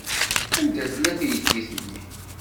Anda tella teydit-nni?